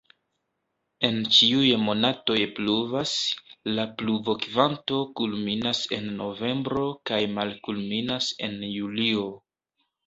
En ĉiuj monatoj pluvas, la pluvokvanto kulminas en novembro kaj malkulminas en julio.